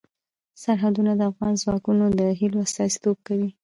سرحدونه د افغان ځوانانو د هیلو استازیتوب کوي.